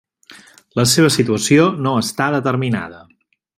La seva situació no està determinada.